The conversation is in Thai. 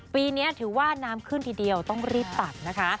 ปีนี้ถือว่าน้ำขึ้นทีเดียวต้องรีบตักนะคะ